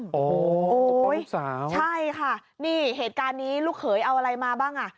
โอ้โฮปกป้องลูกสาวใช่ค่ะนี่เหตุการณ์นี้ลูกเขยเอาอะไรมาบ้าง